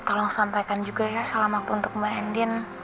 tolong sampaikan juga ya salam aku untuk mbak hendin